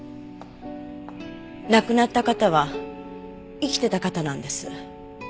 亡くなった方は生きてた方なんです。